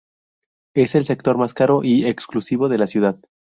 Es el sector más caro y exclusivo de la ciudad.